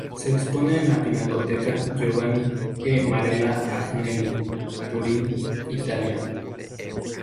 Se expone en la Pinacoteca Giovanni e Marella Agnelli, Turín, Italia.